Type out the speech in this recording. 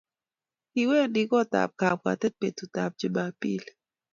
Kiwendi kot ap kabwatet petut ap Chumambili.